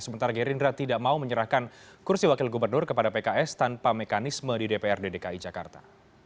sementara gerindra tidak mau menyerahkan kursi wakil gubernur kepada pks tanpa mekanisme di dprd dki jakarta